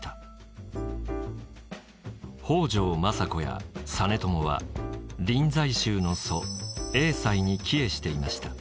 北条政子や実朝は臨済宗の祖栄西に帰依していました。